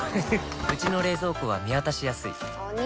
うちの冷蔵庫は見渡しやすいお兄！